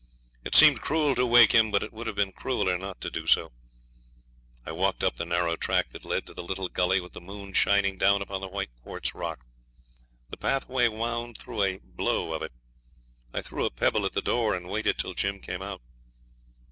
It seemed cruel to wake him, but it would have been crueller not to do so. I walked up the narrow track that led up to the little gully with the moon shining down upon the white quartz rock. The pathway wound through a 'blow' of it. I threw a pebble at the door and waited till Jim came out.